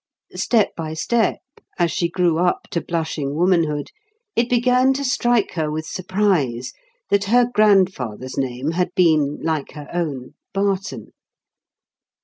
Step by step, as she grew up to blushing womanhood, it began to strike her with surprise that her grandfather's name had been, like her own, Barton.